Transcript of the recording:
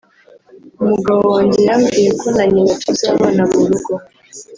umugabo wanjye yambwiye ko na nyina tuzabana mu rugo